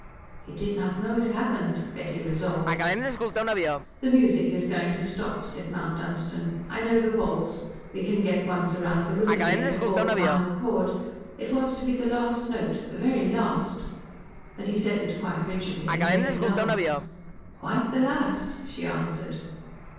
"He did not know it happened," Betty resolved. "The music is going to stop," said Mount Dunstan. "I know the waltz. We can get once round the room again before the final chord. It was to be the last note the very last," but he said it quite rigidly, and Betty laughed. "Quite the last," she answered.